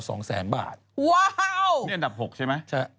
ว้าวนี่อันดับ๖ใช่ไหม